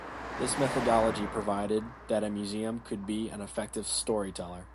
This methodology provided that a museum could be an effective storyteller.